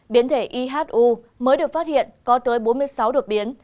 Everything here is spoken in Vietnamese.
biến thể ihu mới được phát hiện có tới bốn mươi sáu đột biến